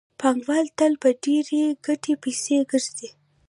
پانګوال تل په ډېرې ګټې پسې ګرځي